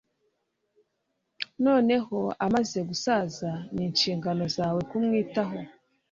noneho amaze gusaza, ni inshingano zawe kumwitaho